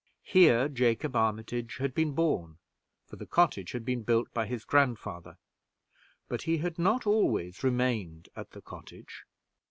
Here Jacob Armitage had been born for the cottage had been built by his grandfather but he had not always remained at the cottage.